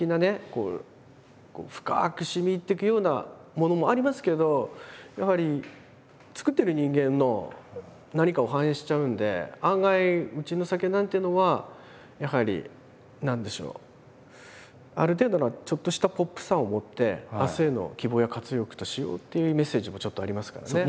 こう深くしみ入ってくようなものもありますけどやはり造ってる人間の何かを反映しちゃうんで案外うちの酒なんていうのはやはり何でしょうある程度のちょっとしたポップさをもって明日への希望や活力としようっていうメッセージもちょっとありますからね。